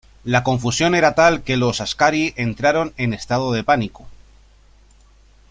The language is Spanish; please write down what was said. La confusión era tal que los askari entraron en estado de pánico.